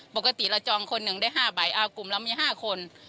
ปกติเราจองคนหนึ่งได้๕ใบกลุ่มเรามี๕คน